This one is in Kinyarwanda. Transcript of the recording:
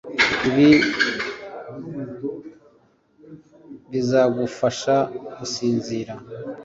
Ibi bizagufasha gusinzira